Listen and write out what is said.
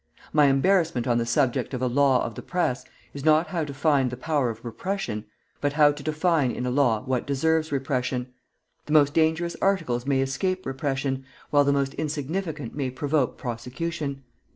My embarrassment on the subject of a law of the Press is not how to find the power of repression, but how to define in a law what deserves repression. The most dangerous articles may escape repression, while the most insignificant may provoke prosecution.